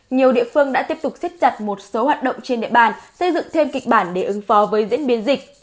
nhiều địa phương đã tiếp tục xếp chặt một số hoạt động trên địa bàn xây dựng thêm kịch bản để ứng phó với diễn biến dịch